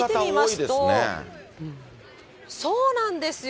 そうなんですよ。